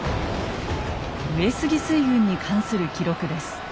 上杉水軍に関する記録です。